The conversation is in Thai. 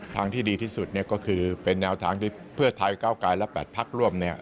ทางที่ดีที่สุดก็คือเป็นแนวทางที่เพื่อไทยเก้าไกรและแปดภัคดิ์ร่วม